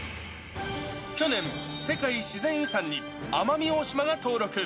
去年、世界自然遺産に奄美大島が登録。